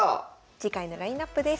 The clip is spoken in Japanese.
次回のラインナップです。